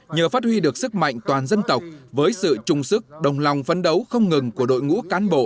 nhờ phát huy được sức mạnh toàn dân tộc với sự trung sức đồng lòng phấn đấu không ngừng của đội ngũ cán bộ